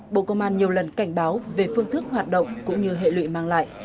bộ công an nhiều lần cảnh báo về phương thức hoạt động cũng như hệ lụy mang lại